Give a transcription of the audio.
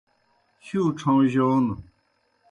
ہِیؤ ڇھہُوݩجون